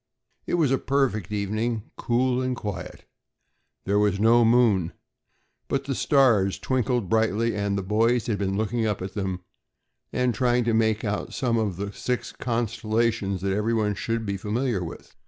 It was a perfect evening, cool and quiet. There was no moon, but the stars twinkled brightly, and the boys had been looking up at them and trying to make out some of the six constellations that everyone should be familiar with.